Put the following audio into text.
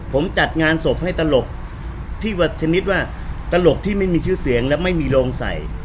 ผมจัดงานศพให้ตลกที่ชนิดว่าตลกที่ไม่มีชื่อเสียงและไม่มีโรงใส่